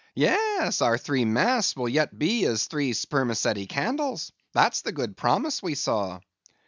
Yes, our three masts will yet be as three spermaceti candles—that's the good promise we saw."